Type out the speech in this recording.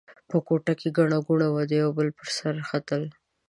په کوټه کې ګڼه ګوڼه وه؛ د یوه بل پر سر سره ختل.